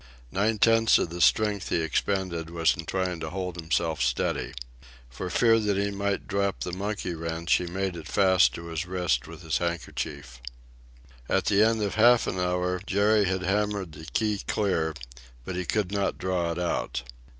Nine tenths of the strength he expended was in trying to hold himself steady. For fear that he might drop the monkey wrench he made it fast to his wrist with his handkerchief. At the end of half an hour Jerry had hammered the key clear, but he could not draw it out.